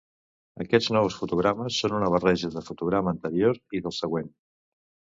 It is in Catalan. Aquests nous fotogrames són una barreja del fotograma anterior i del següent.